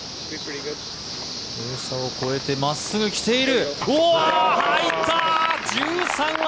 傾斜を越えて真っすぐ来ている。